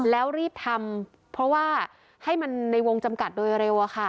แล้วรีบทำเพราะว่าให้มันในวงจำกัดโดยเร็ว